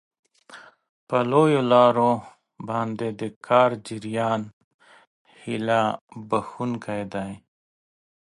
په لویو لارو باندې د کار جریان هیله بښونکی دی.